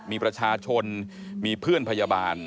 มีประชาชนมีเพื่อนพยาบาล